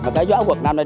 mà cái gió quật năm nay